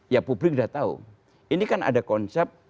ya publik sudah tahu ini kan ada konsep